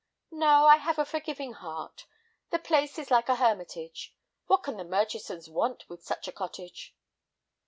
"No, I have a forgiving heart. The place is like a hermitage. What can the Murchisons want with such a cottage?"